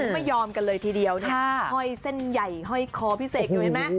ไม่ยอมกันเลยทีเดียวเนี่ยห้อยเส้นใหญ่ห้อยคอพี่เสกอยู่เห็นไหม